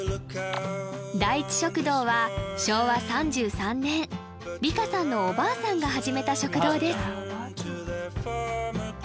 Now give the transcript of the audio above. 第一食堂は昭和３３年理佳さんのおばあさんが始めた食堂です